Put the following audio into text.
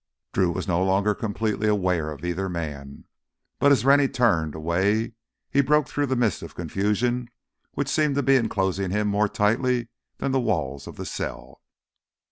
Drew was no longer completely aware of either man. But, as Rennie turned away, he broke through the mist of confusion which seemed to be enclosing him more tightly than the walls of the cell.